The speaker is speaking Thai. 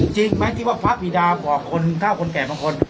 จริงไหมที่ว่าพระบิดาบอกคนเท่าคนแก่บางคน